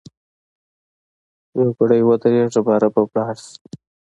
یوګړی ودریږه باره به ولاړ سی.